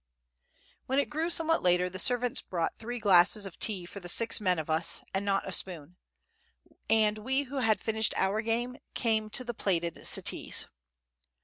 When it grew somewhat later, the servants brought three glasses of tea for the six men of us, and not a spoon; and we who had finished our game came to the plaited settees.